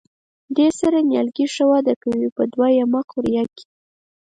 دې سره نیالګي په ښه توګه وده کوي په دوه یمه قوریه کې.